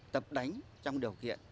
tập đánh trong điều kiện